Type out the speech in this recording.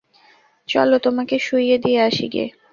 চলো তোমাকে শুইয়ে দিয়ে আসি গে।